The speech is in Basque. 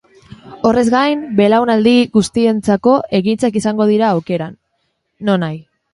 Horrez gain, belaunaldi guztientzako ekintzak izango dira aukeran, nonahi.